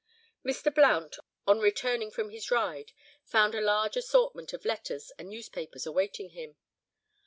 Mr. Blount on returning from his ride found a large assortment of letters and newspapers awaiting him.